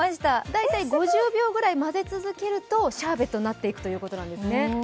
大体５０秒ぐらい混ぜ続けるとシャーベットになっていくということなんですね。